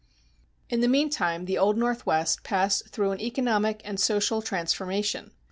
In the meantime the Old Northwest[218:1] passed through an economic and social transformation.